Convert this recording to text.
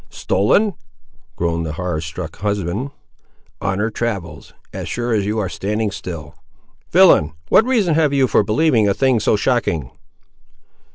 "Stolen!" groaned the horror struck husband. "On her travels, as sure as you are standing still!" "Villain, what reason have you for believing a thing so shocking?"